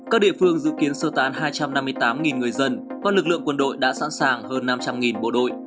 các địa phương dự kiến sơ tán hai trăm năm mươi tám người dân các lực lượng quân đội đã sẵn sàng hơn năm trăm linh bộ đội